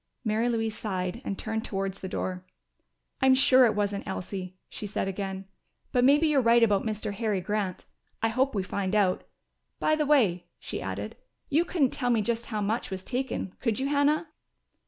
Mary Louise sighed and turned towards the door. "I'm sure it wasn't Elsie," she said again. "But maybe you're right about Mr. Harry Grant. I hope we find out.... By the way," she added, "you couldn't tell me just how much was taken, could you, Hannah?"